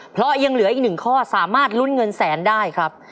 เพราะยังเหลืออีกหนึ่งข้อสามารถลุ้นเงินแสนได้ครับ